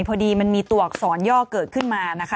พอดีมันมีตัวอักษรย่อเกิดขึ้นมานะคะ